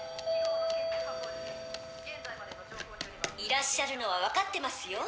いらっしゃるのは分かってますよ。